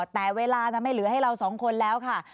แต่เวลานั้นไม่เหลือให้เราสองคนแล้วค่ะ